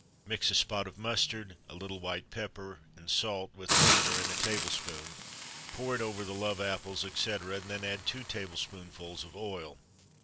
Mix a spot of mustard, a little white pepper and salt, with vinegar, in a table spoon, pour it over the love apples, etc., and then add two tablespoonfuls of oil.